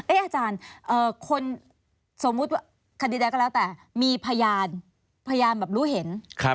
อาจารย์คนสมมุติว่าคดีใดก็แล้วแต่มีพยานพยานแบบรู้เห็น